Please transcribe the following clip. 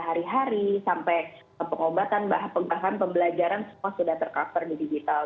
hari hari sampai pengobatan bahan pembelajaran semua sudah tercover di digital